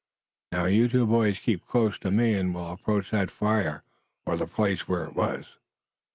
Now, you two boys keep close to me and we'll approach that fire, or the place where it was."